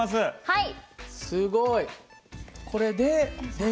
はい！